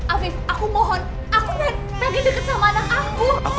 afif aku mohon aku lagi deket sama anak aku